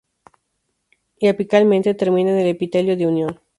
Y apicalmente termina en el epitelio de unión.